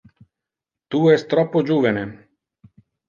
Tu es troppo juvene.